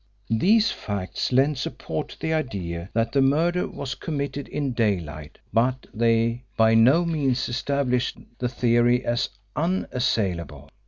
These facts lent support to the idea that the murder was committed in daylight, but they by no means established the theory as unassailable.